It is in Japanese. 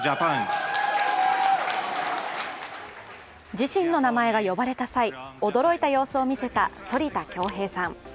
自身の名前が呼ばれた際驚いた様子を見せた反田恭平さん。